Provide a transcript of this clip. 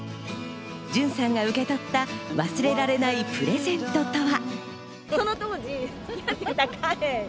ジュンさんが受け取った忘れられないプレゼントとは。